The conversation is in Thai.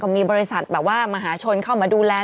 ก็มีบริษัทมหาชนเข้ามาดูแล